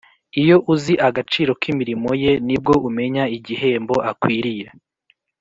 Iyo uzi agaciro k’imirimo ye ni bwo umenya igihembo akwiriye